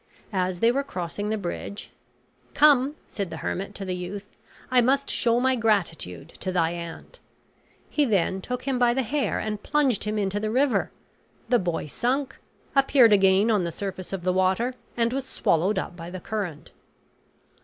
As they were crossing the bridge, "Come," said the hermit to the youth, "I must show my gratitude to thy aunt." He then took him by the hair and plunged him into the river. The boy sunk, appeared again on the surface of the water, and was swallowed up by the current.